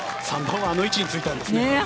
あの位置についたんですね。